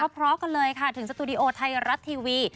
เพราะกันเลยค่ะถึงสตูดิโอไทยรัฐทีวี